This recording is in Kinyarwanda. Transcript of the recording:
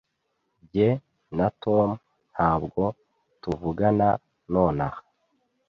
Jye na Tom ntabwo tuvugana nonaha.